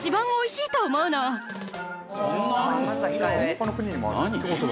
他の国にもある？